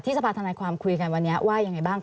สภาธนาความคุยกันวันนี้ว่ายังไงบ้าง